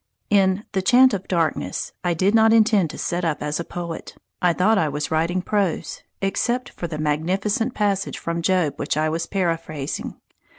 In "The Chant of Darkness" I did not intend to set up as a poet. I thought I was writing prose, except for the magnificent passage from Job which I was paraphrasing.